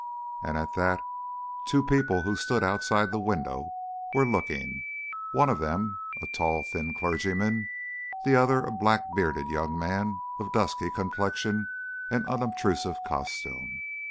And at that two people, who stood outside the window, were looking, one of them a tall, thin clergyman, the other a black bearded young man of dusky complexion and unobtrusive costume.